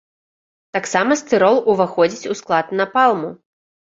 Таксама стырол ўваходзіць у склад напалму.